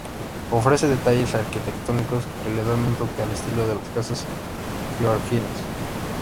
Ofrece detalles arquitectónicos que le dan un toque al estilo de las casas Georgianas.